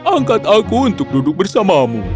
angkat aku untuk duduk bersamamu